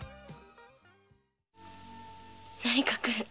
何か来る。